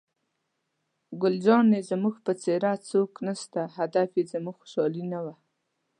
ګل جانې: زموږ په څېر څوک نشته، هدف یې زموږ خوشحالي نه وه.